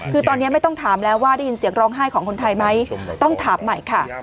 คือตอนนี้ไม่ต้องถามแล้วว่าได้ยินเสียงร้องไห้ของคนไทยไหมต้องถามใหม่ค่ะ